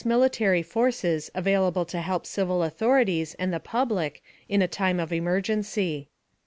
military forces available to help civil authorities and the public in a time of emergency.